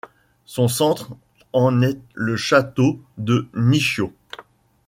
Son centre en est le château de Nishio.